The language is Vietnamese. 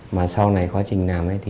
mà sau này quá trình làm